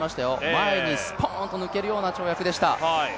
前にすぽーんと抜けるような跳躍でした、